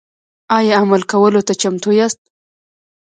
ایا عمل کولو ته چمتو یاست؟